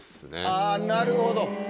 あぁなるほど。